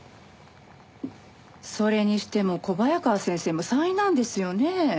それにしても小早川先生も災難ですよねえ。